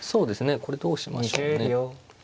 これどうしましょうね。